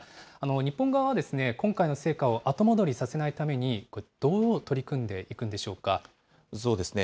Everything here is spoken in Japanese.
日本側は今回の成果を後戻りさせないために、どう取り組んでいくそうですね。